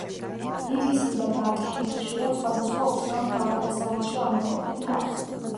ბივისი და ბატ-ჰედი ხშირად სხვადასხვა უცნაურ თავგადასავალში ამოჰყოფენ თავს.